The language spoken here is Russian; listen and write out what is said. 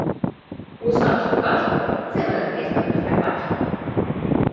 У Саши в каше Сыворотка из-под простокваши.